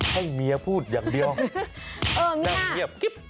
ให้เมียพูดอย่างเดียวแม่เมียเขียบ